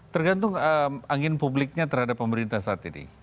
tergantung angin publiknya terhadap pemerintah saat ini